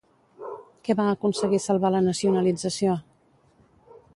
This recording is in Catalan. Què va aconseguir salvar la nacionalització?